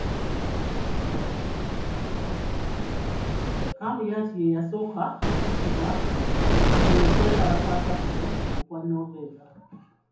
Kamuyat ye yasooka okuttibwa mu kwekalakaasa kuno okwa Novemba .